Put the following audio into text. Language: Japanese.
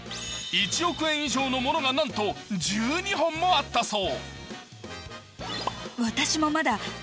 １億円以上のものがなんと１２本もあったそう。